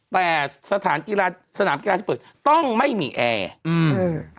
แต่สถานกีฬาสนามกีฬาที่เปิดต้องไม่มีแอร์อืม